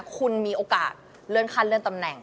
คุณมีโอกาสเลื่อนขั้นเลื่อนตำแหน่ง